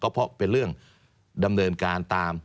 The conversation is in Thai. เป็นเรื่องดำเนินการตาม